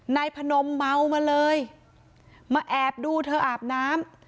นายพนมเมามาเลยมาแอบดูเธออาบน้ำ